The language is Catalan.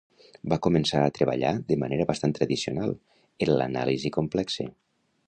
Va començar a treballar, de manera bastant tradicional, en l'anàlisi complexe.